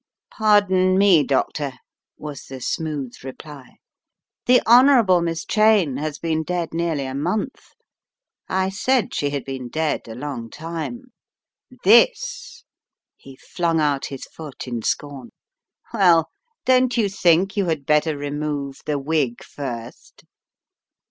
"Pardon me, Doctor," was the smooth reply. "The Honourable Miss Cheyne has been dead nearly a month. I said she had been dead a long time. "27ii$," he flung out his foot in scorn, "well, don't you think you had better remove the wig first?"